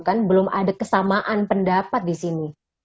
kan belum ada kesamaan pendapat di sini